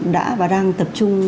đã và đang tập trung